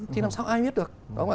thế làm sao ai biết được